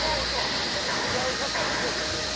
だから違う方にちょっと今日は。